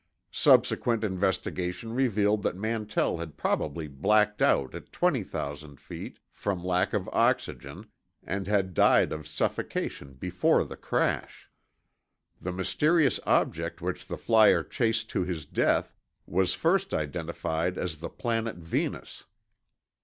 "Subsequent investigation revealed that Mantell had probably blacked out at 20,000 feet from lack of oxygen and had died of suffocation before the crash. "The mysterious object which the flyer chased to his death was first identified as the Planet Venus.